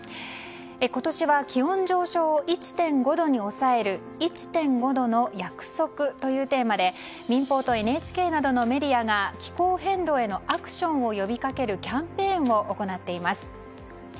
今年は気温上昇を１．５度に抑える「１．５℃の約束」というテーマで民放とＮＨＫなどのメディアが気候変動へのアクションを呼びかけるキャンペーンを行っています。